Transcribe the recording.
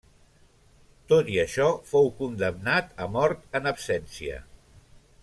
Tot i això fou condemnat a mort en absència.